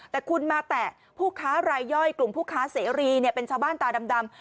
แต่คุณมาแตะผู้ค้ารายย่อยกลุ่มผู้ค้าเสรีเป็นชาวบ้านตาดำ